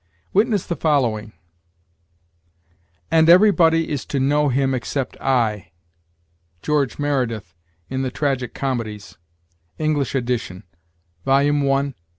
Witness the following: "And everybody is to know him except I." George Merideth in "The Tragic Comedies," Eng. ed., vol. i, p.